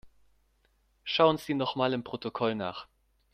Schauen Sie nochmal im Protokoll nach.